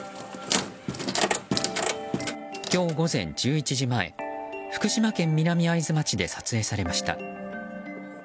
今日午前１１時前福島県南会津町で撮影されました。